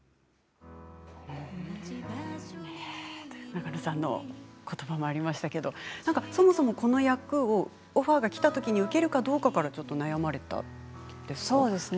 永野さんの言葉もありましたけれどそもそも、この役をオファーがきたときに受けるかどうかからちょっと悩まれたんですか？